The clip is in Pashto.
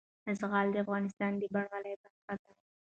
زغال د افغانستان د بڼوالۍ برخه ده.